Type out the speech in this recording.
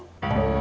tapi masalah kamu